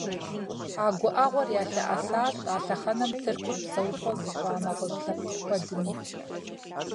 А гуӀэгъуэр ялъэӀэсащ а лъэхъэнэм Тыркур псэупӀэ зыщӀа нэгъуэщӀ лъэпкъ куэдми.